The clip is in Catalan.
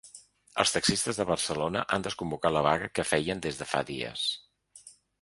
Els taxistes de Barcelona han desconvocat la vaga que feien des de fa dies.